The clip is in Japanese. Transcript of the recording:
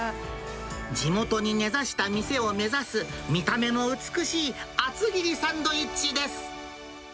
地元に根差した店を目指す、見た目も美しい厚切りサンドイッチです。